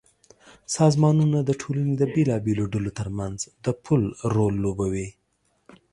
سازمانونه د ټولنې د بېلابېلو ډلو ترمنځ د پُل رول لوبوي.